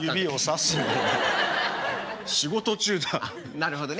なるほどね。